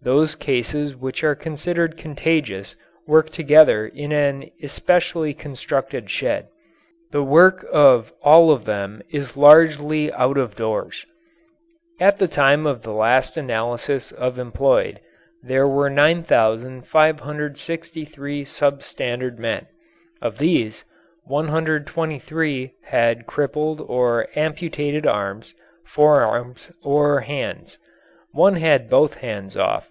Those cases which are considered contagious work together in an especially constructed shed. The work of all of them is largely out of doors. At the time of the last analysis of employed, there were 9,563 sub standard men. Of these, 123 had crippled or amputated arms, forearms, or hands. One had both hands off.